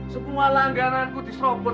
semua langgananku diserobot